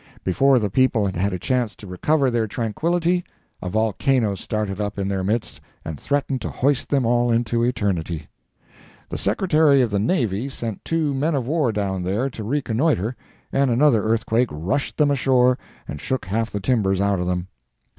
Before the people had had a chance to recover their tranquillity, a volcano started up in their midst and threatened to hoist them all into eternity. The Secretary of the Navy sent two men of war down there to reconnoitre, and another earthquake rushed them ashore and shook half the timbers out of them.